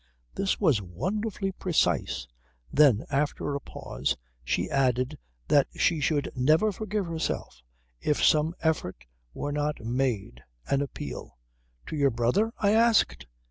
This was wonderfully precise. Then after a pause she added that she should never forgive herself if some effort were not made, an appeal. "To your brother?" I asked.